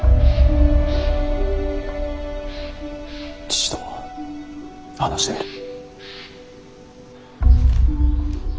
父と話してみる。